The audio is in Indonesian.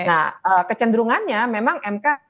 nah kecenderungannya memang mk